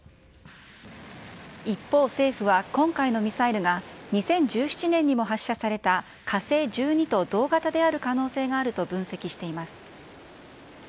一方政府は、今回のミサイルが２０１７年にも発射された火星１２と同型である可能性があると分析しています。